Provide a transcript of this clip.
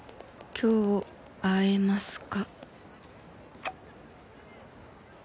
「今日会えますか？」